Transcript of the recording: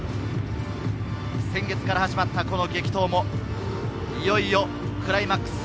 先月から始まった激闘も、いよいよクライマックス。